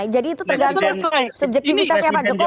jadi itu terganggu subjektivitasnya pak jokowi